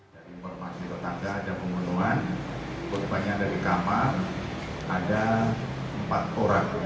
dari informasi petangga ada pembunuhan berkumpulnya dari kamar ada empat orang